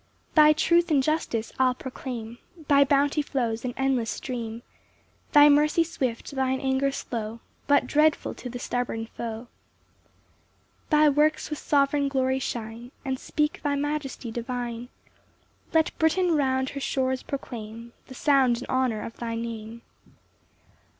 3 Thy truth and justice I'll proclaim; Thy bounty flows, an endless stream, Thy mercy swift, thine anger slow, But dreadful to the stubborn foe. 4 Thy works with sovereign glory shine, And speak thy majesty divine; Let Britain round her shores proclaim The sound and honour of thy Name.